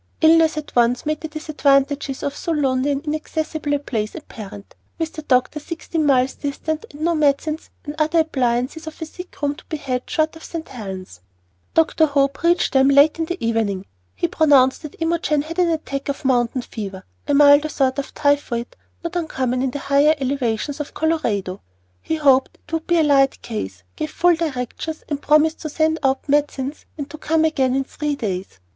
Illness at once made the disadvantages of so lonely and inaccessible a place apparent, with the doctor sixteen miles distant, and no medicines or other appliances of a sick room to be had short of St. Helen's. Dr. Hope reached them late in the evening. He pronounced that Imogen had an attack of "mountain fever," a milder sort of typhoid not uncommon in the higher elevations of Colorado. He hoped it would be a light case, gave full directions, and promised to send out medicines and to come again in three days.